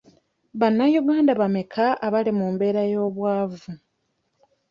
Bannayuganda bameka abali mu mbeera ey'obwavu.